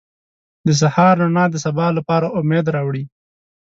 • د سهار رڼا د سبا لپاره امید راوړي.